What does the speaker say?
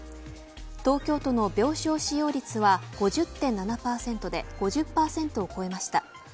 東京都の病床使用率は５０．７％で５０％を超えました。